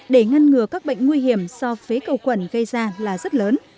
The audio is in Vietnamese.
để ngăn ngừa các bệnh nguy hiểm do phế cầu quẩn gây ra là rất lớn